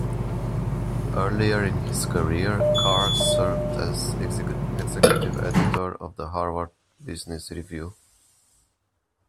Earlier in his career, Carr served as executive editor of the "Harvard Business Review".